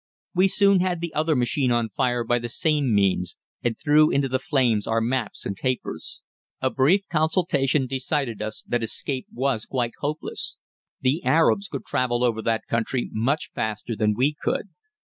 We soon had the other machine on fire by the same means, and threw into the flames our maps and papers. A brief consultation decided us that escape was quite hopeless. The Arabs could travel over that country much faster than we could.